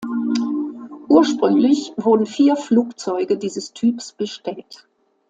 Ursprünglich wurden vier Flugzeuge dieses Typs bestellt.